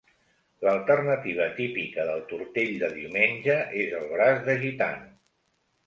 L'alternativa típica del tortell de diumenge és el braç de gitano.